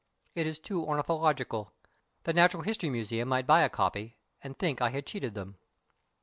_ It is too ornithological. The Natural History Museum might buy a copy and think I had cheated them.